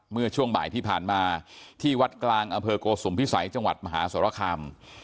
เมื่อช่วงบ่ายที่ผ่านมาที่วัดกลางอำเภอโกสุมพิสัยจังหวัดมหาสรคาม